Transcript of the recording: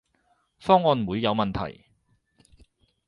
方案唔會有問題